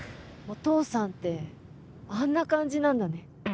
お父さんってあんな感じなんだね。